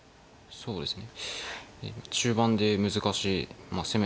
そうですね。